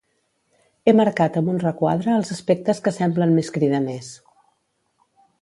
He marcat amb un requadre els aspectes que semblen més cridaners.